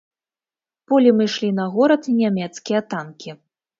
Полем ішлі на горад нямецкія танкі.